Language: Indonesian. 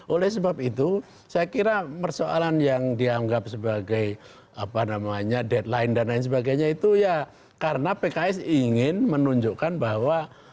oleh sebab itu saya kira persoalan yang dianggap sebagai apa namanya deadline dan lain sebagainya itu ya karena pks ingin menunjukkan bahwa